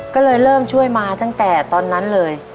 ก็เลยเริ่มช่วยมาตั้งแต่ตอนนั้นเลย